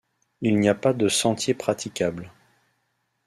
Il n’y a pas de sentier praticable.